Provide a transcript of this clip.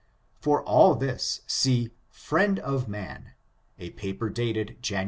For all this, see ^^Priend of Man^^ a paper dated Jan.